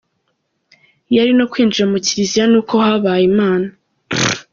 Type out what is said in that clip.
Yari no kwinjira mu kiriziya n’uko habaye Imana.